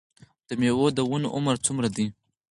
د میوو د ونو عمر څومره دی؟